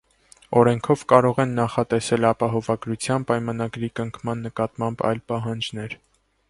Օրենքով կարող են նախատեսվել ապահովագրության պայմանագրի կնքման նկատմամբ այլ պահանջներ։